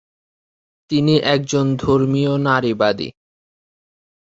তিনি একজন ধর্মীয় নারীবাদী।